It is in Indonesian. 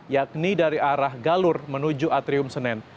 yakni dari arah galur menuju atrium senen